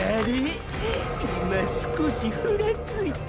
今少しフラついた？